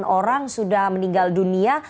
sembilan orang sudah meninggal dunia